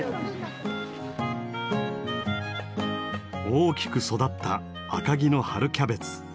大きく育った赤城の春キャベツ。